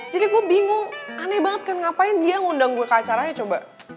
jadi gue bingung aneh banget kan ngapain dia ngundang gue ke acaranya coba